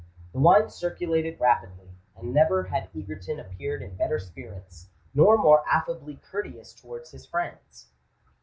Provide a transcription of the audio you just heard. The wine circulated rapidly; and never had Egerton appeared in better spirits, nor more affably courteous towards his friends.